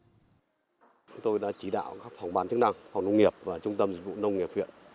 chúng tôi đã chỉ đạo các phòng bán chức năng phòng nông nghiệp và trung tâm dịch vụ nông nghiệp huyện